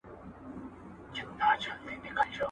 • د اوښ غلا په چوغه نه کېږي.